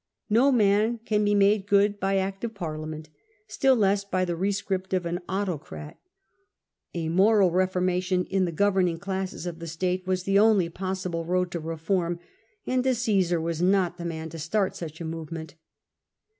"No man can be made good by Act of Parliament," still less by the rescript of an auto crat. A moral reformation in the governing classes of the state was the only possible road to reform, and a Caesar was not the man to start such a movement.